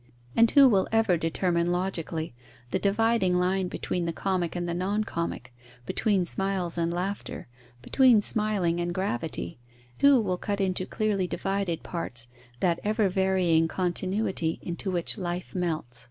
And who will ever determine logically the dividing line between the comic and the non comic, between smiles and laughter, between smiling and gravity; who will cut into clearly divided parts that ever varying continuity into which life melts?